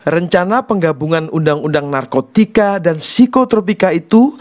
rencana penggabungan undang undang narkotika dan psikotropika itu